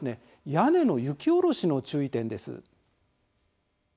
屋根の雪下ろしの注意点です。